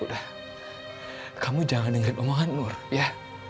dah kamu jangan dengerin omongan nur ya